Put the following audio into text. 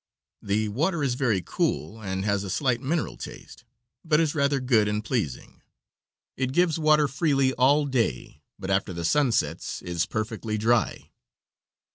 The water is very cool and has a slight mineral taste, but is rather good and pleasing. It gives water freely all day, but, after the sun sets, is perfectly dry.